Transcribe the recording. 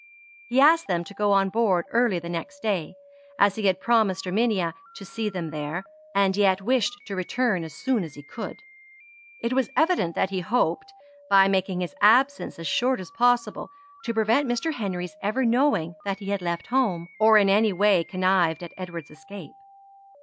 He asked them to go on board early the next day, as he had promised Erminia to see them there, and yet wished to return as soon as he could. It was evident that he hoped, by making his absence as short as possible, to prevent Mr. Henry's ever knowing that he had left home, or in any way connived at Edward's escape.